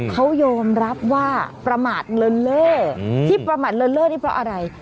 เขายอมรับว่าประมาทเลินเล่อที่ประมาทเลินเล่อนี่เพราะอะไร